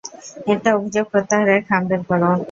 একটা অভিযোগ প্রত্যাহারের খাম বের করো।